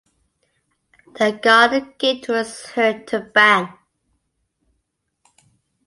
The garden gate was heard to bang.